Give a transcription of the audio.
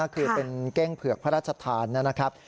คือเป็นเก้งเผือกพระราชทานนะครับ